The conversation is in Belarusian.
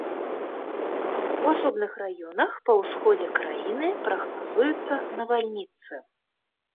У асобных раёнах па ўсходзе краіны прагназуюцца навальніцы.